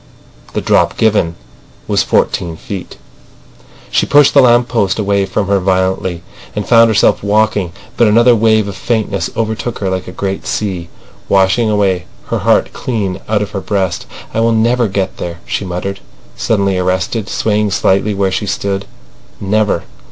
"The drop given was fourteen feet." She pushed the lamp post away from her violently, and found herself walking. But another wave of faintness overtook her like a great sea, washing away her heart clean out of her breast. "I will never get there," she muttered, suddenly arrested, swaying lightly where she stood. "Never."